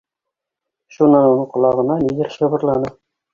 Шунан уның ҡолағына ниҙер шыбырланы.